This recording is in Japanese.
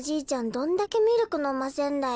どんだけミルクのませんだよ。